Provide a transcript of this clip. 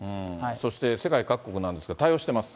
そして世界各国なんですけど、対応しています。